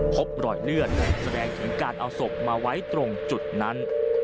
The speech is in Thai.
พบรอยเลือดแสดงถึงการเอาศพมาไว้ตรงจุดนั้น